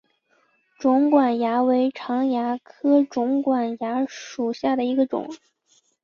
肿管蚜为常蚜科肿管蚜属下的一个种。